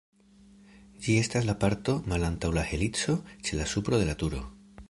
Ĝi estas la parto malantaŭ la helico, ĉe la supro de la turo.